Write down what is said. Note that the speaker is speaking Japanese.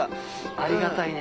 ありがたいね。